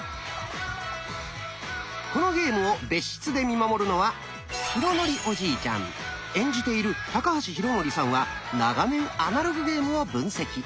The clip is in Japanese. このゲームを別室で見守るのは演じている高橋浩徳さんは長年アナログゲームを分析。